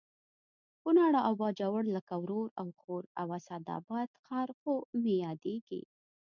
کونړ او باجوړ لکه ورور او خور او اسداباد ښار خو مې یادېږي